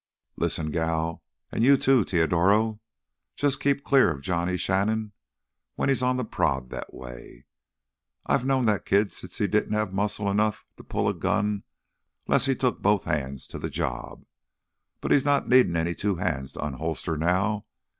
"Lissen, gal, an' you, too, Teodoro—jus' keep clear of Johnny Shannon when he's on th' prod that way. I've knowed that kid since he didn't have muscle enough to pull a gun 'less he took both hands to th' job. But he's not needin' any two hands to unholster now.